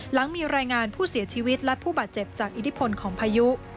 หลังมีรายงานผู้เสียชีวิตและผู้บาดเจ็บจากอิทธิพลของพายุ